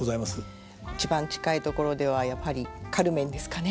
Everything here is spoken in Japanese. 一番近いところではやはり「カルメン」ですかね。